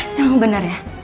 emang benar ya